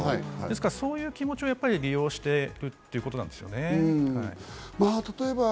ですから、そういう気持ちを利用していくということなんですよね。